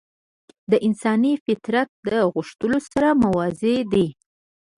د انساني فطرت له غوښتنو سره موازي دي.